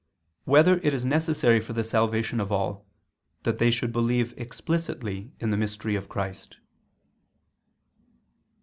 7] Whether It Is Necessary for the Salvation of All, That They Should Believe Explicitly in the Mystery of Christ?